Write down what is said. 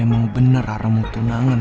emang bener rara mau tunangan